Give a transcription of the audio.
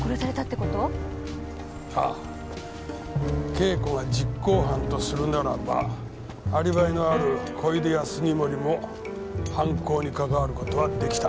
恵子が実行犯とするならばアリバイのある小出や杉森も犯行にかかわる事はできた。